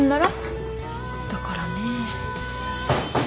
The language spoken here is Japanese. だからね。